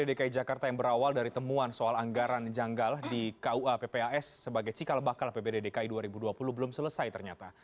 dki jakarta yang berawal dari temuan soal anggaran janggal di kuappas sebagai cikal bakal apbd dki dua ribu dua puluh belum selesai ternyata